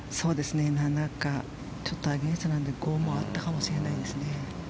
７か、ちょっとアゲンストなので５もあったかもしれないですね。